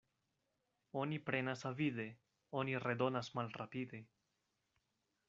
Oni prenas avide, oni redonas malrapide.